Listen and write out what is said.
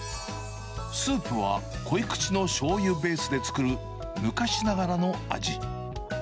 スープは濃い口のしょうゆベースで作る、昔ながらの味。